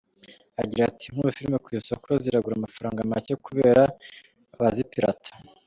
Agira ati “Nk’ubu firime ku isoko ziragura amafaranga make kubera ‘abazipirata’.